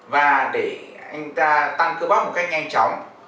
và để anh ta tăng cơ bóc một cách nhanh chóng